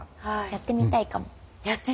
やってみたいです。